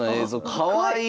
かわいい！